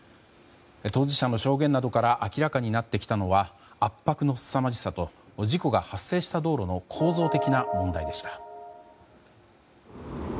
当事者の証言などから明らかになってきたのは圧迫のすさまじさと事故が発生した道路の構造的な問題でした。